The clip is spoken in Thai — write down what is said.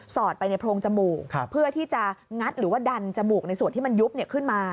อดไปในโพรงจมูกเพื่อที่จะงัดหรือว่าดันจมูกในส่วนที่มันยุบขึ้นมา